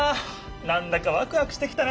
なんだかワクワクしてきたな。